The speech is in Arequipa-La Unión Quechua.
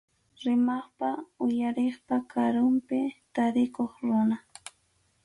Rimaqpa uyariqpa karunpi tarikuq runa.